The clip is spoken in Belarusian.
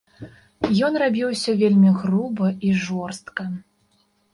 Ён рабіў усё вельмі груба і жорстка.